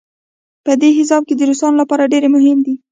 په دې حساب د روسانو لپاره ډېر مهم دی.